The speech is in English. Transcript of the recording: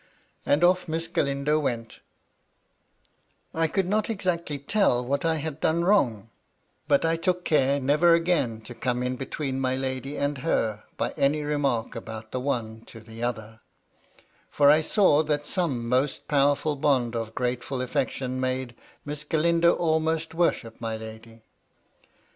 And oflF Miss Galindo went I could not exactly tell what I had done wrong; but I took care never again to come in between my lady and her by any remark about the one to the other ; for I saw that some most powerful bond of gratefbl affection made Miss Galindo almost worship my lady.